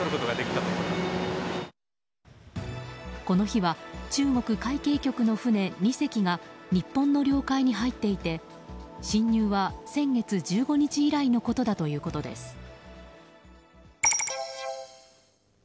この日は中国海警局の船２隻が日本の領海に入っていて、侵入は先月１５日以来のことだったということです。